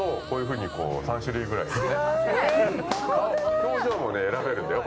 こういうふうに３種類くらい。